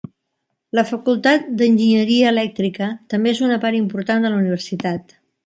La facultat d'enginyeria elèctrica també és una part important de la universitat.